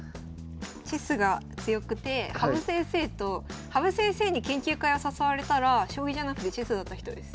チェスが強くて羽生先生に研究会を誘われたら将棋じゃなくてチェスだった人です。